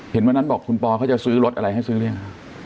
วันนั้นบอกคุณปอเขาจะซื้อรถอะไรให้ซื้อหรือยัง